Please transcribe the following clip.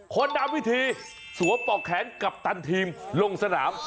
คนนำวิธีสวมปอกแขนกัปตันทีมลงสนาม